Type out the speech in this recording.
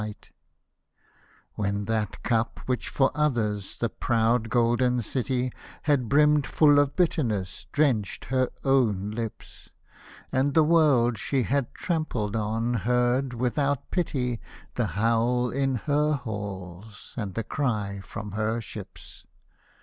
Hosted by Google 40 IRISH MELODIES When that cup, which for others the proud Golden City Had brimmed full of bitterness, drenched her own lips; And the world she had trampled on heard, without pity, The howl in her halls, and the cry from her ships.